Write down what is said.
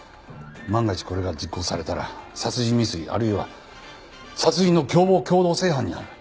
万が一これが実行されたら殺人未遂あるいは殺人の共謀共同正犯になる。